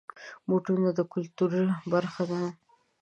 بوټونه د کلتور برخه دي.